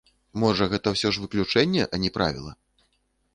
Можа, гэта ўсё ж выключэнне, а не правіла?